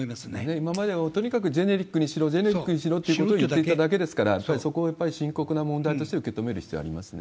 今まではとにかくジェネリックにしろ、ジェネリックにしろということを言っていただけですから、やはりそこを深刻な問題として受け止める必要がありますね。